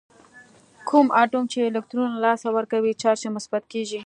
کوم اتوم چې الکترون له لاسه ورکوي چارج یې مثبت کیږي.